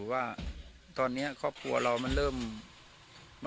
วันนี้ก็จะเป็นสวัสดีครับ